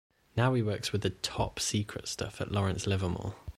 Now, he works with top secret stuff at Lawrence Livermore.